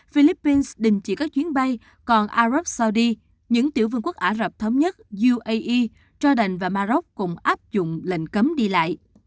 philippines đình chỉ các chuyến bay còn arab saudi những tiểu vương quốc ả rập thống nhất uae jordan và maroc cùng áp dụng lệnh cấm đi lại